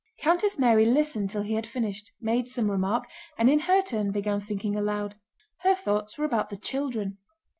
Countess Mary listened till he had finished, made some remark, and in her turn began thinking aloud. Her thoughts were about the children.